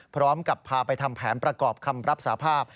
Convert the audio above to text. พร้อมกับพาไปทำแผนประกอบคำรับสาภาพ